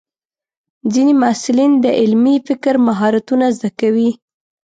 ځینې محصلین د علمي فکر مهارتونه زده کوي.